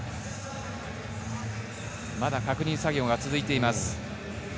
まだ確認作業が続いています。